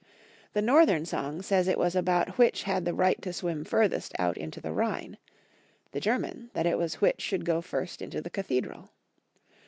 The northern song says it was about which had the right to swim furthest out into the Rhine ; the German, that it was which should go first into the Cathedral.